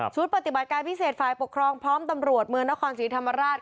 ปฏิบัติการพิเศษฝ่ายปกครองพร้อมตำรวจเมืองนครศรีธรรมราช